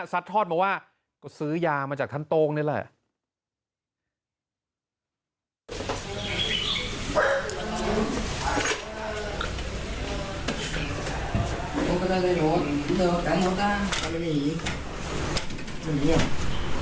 ทอดมาว่าก็ซื้อยามาจากท่านโต้งนี่แหละ